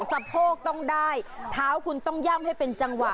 สะโพกต้องได้เท้าคุณต้องย่ำให้เป็นจังหวะ